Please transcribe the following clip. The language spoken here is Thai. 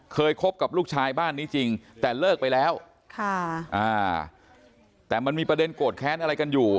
คบกับลูกชายบ้านนี้จริงแต่เลิกไปแล้วค่ะอ่าแต่มันมีประเด็นโกรธแค้นอะไรกันอยู่